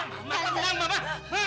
mama tenang mama